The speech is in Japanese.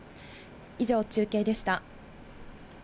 以上、中継でした。